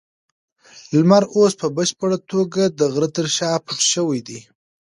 لمر اوس په بشپړه توګه د غره تر شا پټ شوی دی.